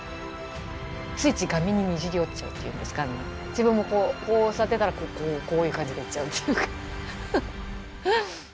自分もこうこう座ってたら、こういう感じで行っちゃうっていうか。